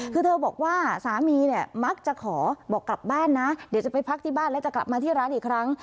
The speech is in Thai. คือเธอบอกว่าสามีเนี่ยมักจะขอบอกกลับบ้านนะเดี๋ยวจะไปพักที่บ้านแล้วจะกลับมาที่ร้านอีกครั้ง